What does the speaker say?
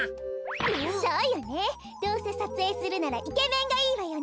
そうよねどうせさつえいするならイケメンがいいわよね。